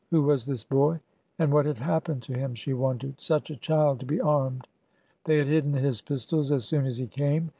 Who was this boy and what had happened to him ? she wondered. Such a child to be armed! They had hidden his pistols as soon as he came.